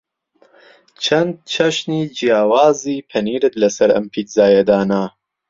چەند چەشنی جیاوازی پەنیرت لەسەر ئەم پیتزایە دانا؟